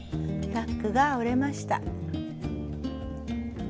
タックが折れました。